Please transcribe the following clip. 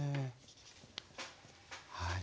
はい。